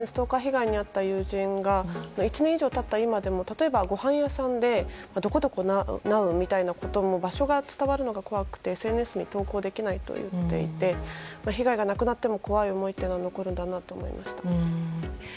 以前、ストーカー被害に遭った友人が１年以上経った今でも例えば、ご飯屋さんで「どこどこなう」みたいなことも場所が伝わるのが怖くてＳＮＳに投稿できないと言っていて被害がなくなっても怖い思いは残るんだなと思いました。